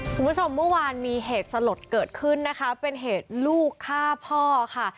คุณผู้ชมเมื่อวานมีเหตุสลดเกิดขึ้นนะคะเป็นเหตุลูกฆ่าพ่อค่ะ